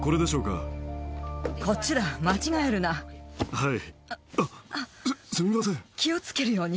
はい。